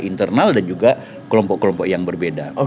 antara kita secara internal dan juga kelompok kelompok yang berbeda